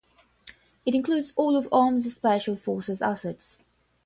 It includes all of Army's special forces assets.